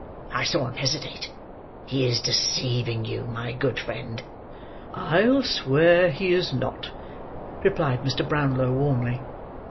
I saw him hesitate. He is deceiving you, my good friend." "I'll swear he is not," replied Mr. Brownlow, warmly.